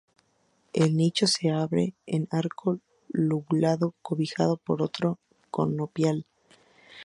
El nicho se abre en arco lobulado, cobijado por otro conopial.